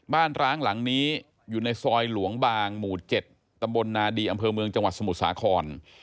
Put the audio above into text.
ร้างหลังนี้อยู่ในซอยหลวงบางหมู่๗ตำบลนาดีอำเภอเมืองจังหวัดสมุทรสาคร